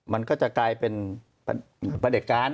มันก็จะกลายเป็นประเด็จการ